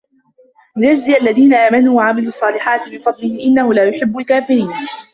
لِيَجزِيَ الَّذينَ آمَنوا وَعَمِلُوا الصّالِحاتِ مِن فَضلِهِ إِنَّهُ لا يُحِبُّ الكافِرينَ